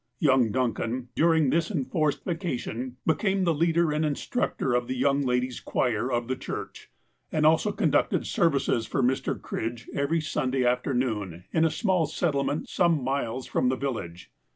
Young Duncan, during this enforced vacation, became the leader and instructor of the young ladies' choir of the church, and also conducted services for Mr. Cridge every Sunday afternoon in a small settlement some miles from the village.